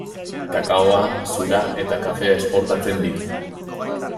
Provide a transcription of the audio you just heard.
Kakaoa, zura eta kafea esportatzen ditu.